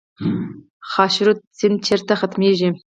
خاشرود سیند چیرته ختمیږي؟